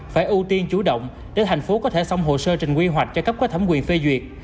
phải ưu tiên chủ động để thành phố có thể xong hồ sơ trình quy hoạch cho cấp quá thẩm quyền phê duyệt